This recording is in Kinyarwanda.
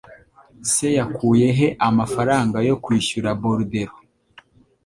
Se yakuye he amafaranga yo kwishyura Bordeaux?